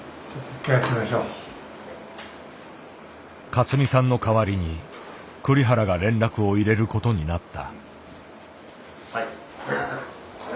勝美さんの代わりに栗原が連絡を入れることになった。